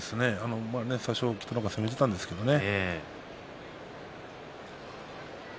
最初北の若は攻めていたんですけどね。